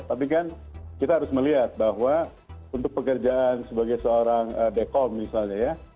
tapi kan kita harus melihat bahwa untuk pekerjaan sebagai seorang dekom misalnya ya